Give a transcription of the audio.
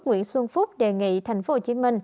nguyễn xuân phúc đề nghị tp hcm